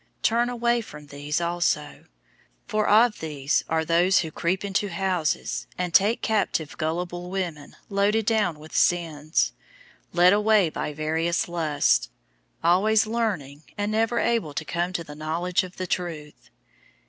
Turn away from these, also. 003:006 For of these are those who creep into houses, and take captive gullible women loaded down with sins, led away by various lusts, 003:007 always learning, and never able to come to the knowledge of the truth.